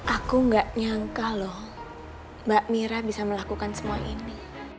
aku gak nyangka loh mbak mira bisa melakukan semua ini